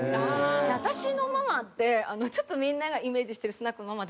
私のママってちょっとみんながイメージしてるスナックのママではなく。